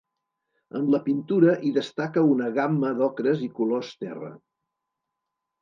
En la pintura hi destaca una gamma d'ocres i colors terra.